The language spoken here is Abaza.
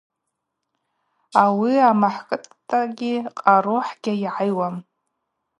Ауи амахӏкӏитӏта къарула хӏгьйайгӏайуам.